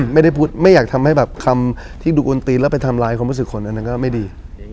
ไม่ได้พูดไม่อยากทำให้แบบคำที่ดูอวนตีนแล้วไปทำลายความรู้สึกคนอันนั้นก็ไม่ดี